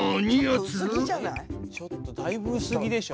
ちょっとだいぶ薄着でしょ。